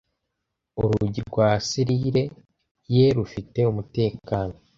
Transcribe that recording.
urugi rwa selire ye rufite umutekano